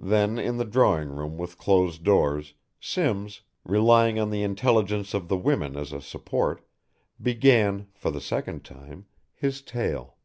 Then, in the drawing room with closed doors, Simms, relying on the intelligence of the women as a support, began, for the second time, his tale.